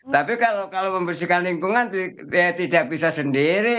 tapi kalau membersihkan lingkungan ya tidak bisa sendiri